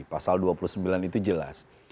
pasal dua puluh sembilan itu jelas